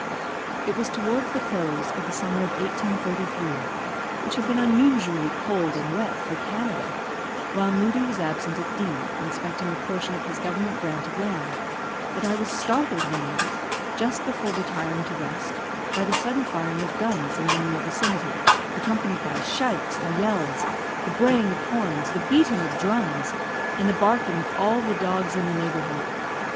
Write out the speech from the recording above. It was towards the close of the summer of 1833, which had been unusually cold and wet for Canada, while Moodie was absent at D , inspecting a portion of his government grant of land, that I was startled one night, just before retiring to rest, by the sudden firing of guns in our near vicinity, accompanied by shouts and yells, the braying of horns, the beating of drums, and the barking of all the dogs in the neighborhood.